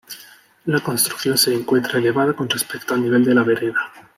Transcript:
La construcción se encuentra elevada con respecto al nivel de la vereda.